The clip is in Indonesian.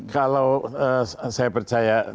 kalau saya percaya